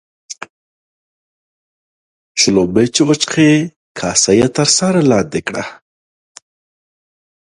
شلومبې چې وچښې ، کاسه يې تر سر لاندي کړه.